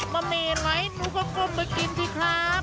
ะหมี่ไหลหนูก็ก้มไปกินสิครับ